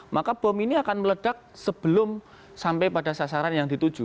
maka bom ini akan meledak sebelum sampai pada sasaran yang dituju